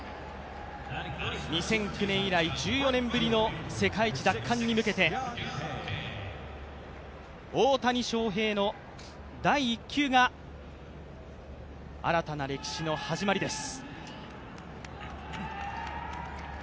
２００９年以来１４年ぶりの世界一奪還に向けて大谷翔平の第１球が新たな歴史の始まりです。